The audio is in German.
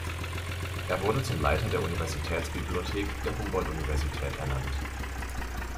Er wurde zum Leiter der Universitätsbibliothek der Humboldt-Universität ernannt.